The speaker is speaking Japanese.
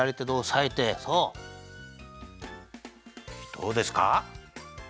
どうですか？